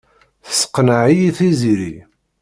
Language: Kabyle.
Tesseqneɛ-iyi Tiziri.